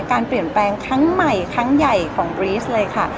การเปลี่ยนแปลงครั้งใหม่ครั้งใหญ่ของบรีสเลยค่ะ